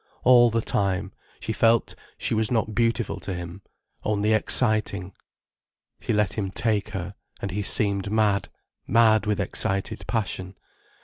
All the time, she felt she was not beautiful to him, only exciting. [She let him take her, and he seemed mad, mad with excited passion.